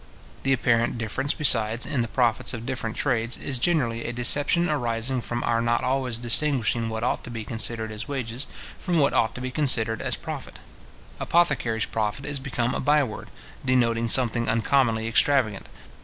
The apparent difference, besides, in the profits of different trades, is generally a deception arising from our not always distinguishing what ought to be considered as wages, from what ought to be considered as profit. Apothecaries' profit is become a bye word, denoting something uncommonly extravagant.